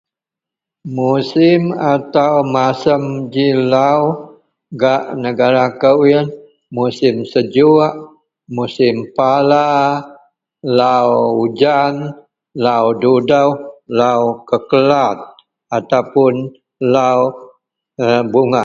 Musim atau masem ji lau gak negara kou iyen musim sejok musim pala lau ujan lau dudoh lau kekelat atau puon lau bungaih.